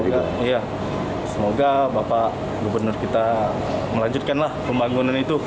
dan semoga bapak gubernur kita melanjutkanlah pembangunan itu